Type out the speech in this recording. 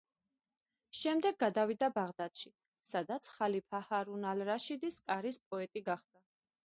შემდეგ გადავიდა ბაღდადში, სადაც ხალიფა ჰარუნ ალ-რაშიდის კარის პოეტი გახდა.